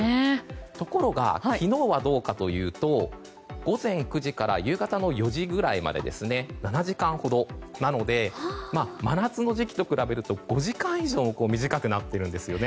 ところが昨日は午前９時から夕方の４時ぐらいまで７時間ほどなので真夏の時期と比べると５時間以上短くなっているんですよね。